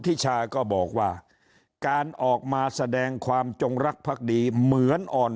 ทิชาก็บอกว่าการออกมาแสดงความจงรักภักดีเหมือนอ่อน